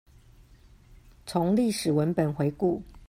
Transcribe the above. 從歷史文本回顧